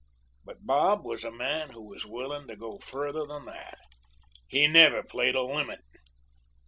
But Bob was a man who was willing to go further than that. He never played a limit.